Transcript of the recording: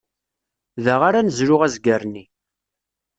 Da ara nezlu azger-nni.